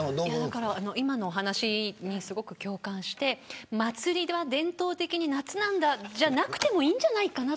今のお話にすごく共感して祭りは伝統的に夏なんだじゃなくてもいいんじゃないかな。